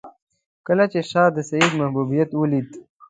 کله چې شاه د سید محبوبیت ولید.